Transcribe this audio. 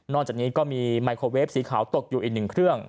จากนี้ก็มีไมโครเวฟสีขาวตกอยู่อีกหนึ่งเครื่อง